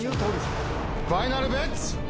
ファイナルベッツ？